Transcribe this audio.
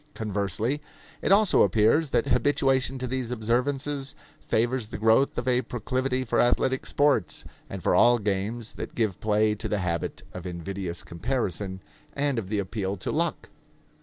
Conversely; it also appears that habituation to these observances favors the growth of a proclivity for athletic sports and for all games that give play to the habit of invidious comparison and of the appeal to luck.